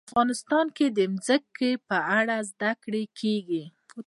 افغانستان کې د ځمکه په اړه زده کړه کېږي.